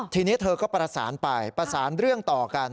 ทีนี้เธอก็ประสานไปประสานเรื่องต่อกัน